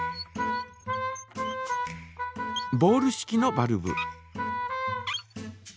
ボール式のバルブ。